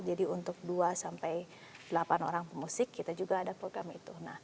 untuk dua sampai delapan orang pemusik kita juga ada program itu